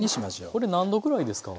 これ何度ぐらいですか？